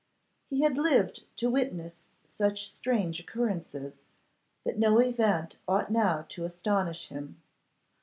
He had lived to witness such strange occurrences, that no event ought now to astonish him.